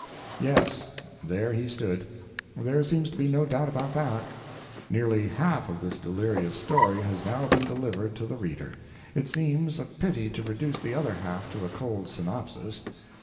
Yes; there he stood. There seems to be no doubt about that. Nearly half of this delirious story has now been delivered to the reader. It seems a pity to reduce the other half to a cold synopsis.